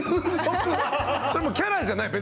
それもうキャラじゃない！